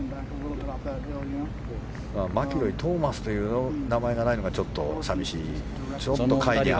マキロイ、トーマスという名前がないのが寂しい。